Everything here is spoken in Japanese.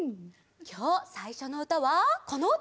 きょうさいしょのうたはこのうた！